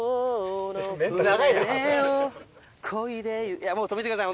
いやもう止めてください